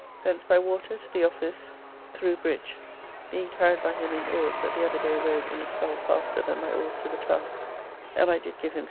Thence by water to the office through bridge, being carried by him in oars that the other day rowed in a scull faster than my oars to the Towre, and I did give him 6d.